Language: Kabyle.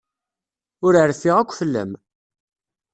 Ur rfiɣ akk fell-am.